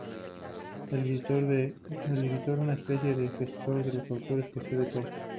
El editor, una especie de gestor de los autores que cede todo